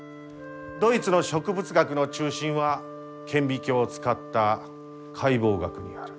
ドイツの植物学の中心は顕微鏡を使った解剖学にある。